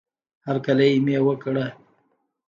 هرکلی مې وکړه